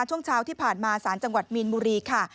ช่วงเช้าที่ผ่านมาสารจังหวัดมีนบุรีค่ะ